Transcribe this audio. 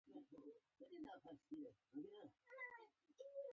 پوهه انسان له حيواني پوړۍ راپورته کوي.